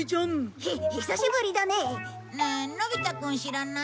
ねえのび太くん知らない？